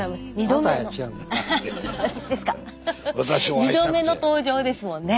２度目の登場ですもんね。